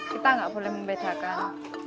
kita gak boleh membedakan